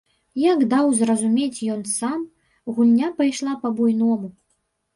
Як даў зразумець ён сам, гульня пайшла па-буйному.